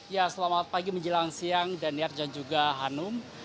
ya selamat pagi menjelang siang dan ya jangan juga hanum